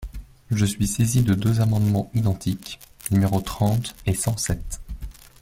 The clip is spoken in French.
Je suis saisi de deux amendements identiques, numéros trente et cent sept.